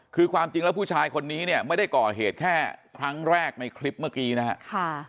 คือความจริงแล้วผู้ชายคนนี้เนี่ยไม่ได้ก่อเหตุแค่ครั้งแรกในคลิปเมื่อกี้นะครับ